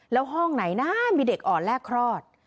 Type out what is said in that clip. แล้วห้องไหนนะมีเด็กอ่อนแลกคลอด